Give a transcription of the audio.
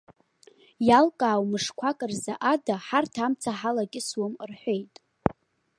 Иалкаау мышқәак рзы ада ҳарҭ амца ҳалакьысуам,- рҳәеит.